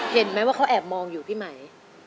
เห็นไหมว่าเขาแอบมองอยู่พี่ไหม